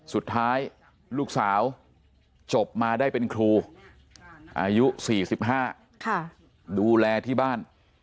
สุดท้ายลูกสาวจบมาได้เป็นครูอายุ๔๕ดูแลที่บ้าน